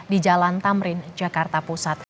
di jalan tamrin jakarta pusat